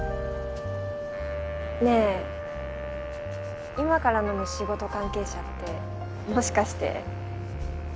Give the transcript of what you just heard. ねぇ今から飲む仕事関係者ってもしかして？